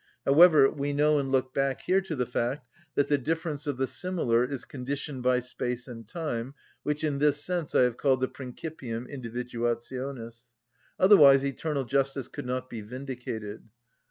However, we know and look back here to the fact that the difference of the similar is conditioned by space and time, which in this sense I have called the principium individuationis. Otherwise eternal justice could not be vindicated.